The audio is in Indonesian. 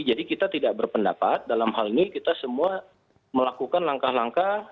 jadi kita tidak berpendapat dalam hal ini kita semua melakukan langkah langkah